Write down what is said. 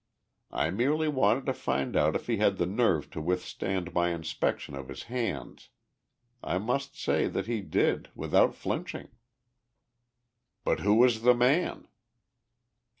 I merely wanted to find out if he had the nerve to withstand my inspection of his hands. I must say that he did, without flinching." "But who was the man?"